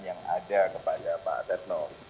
yang ada kepada pak setno